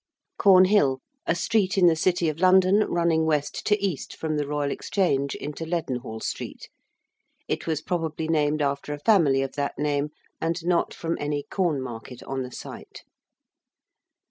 ~Cornhill~: a street in the City of London running west to east from the Royal Exchange into Leadenhall Street. It was probably named after a family of that name, and not from any corn market on the site.